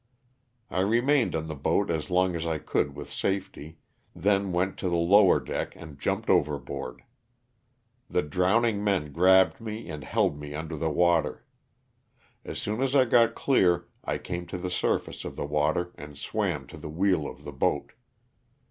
I remained on the boat as long as I could with safety, then went to the lower deck and jumped overboard. The drowning men grabbed me and held me under the water. As soon as I got clear I came to the surface of the water and swam to the wheel of the boat.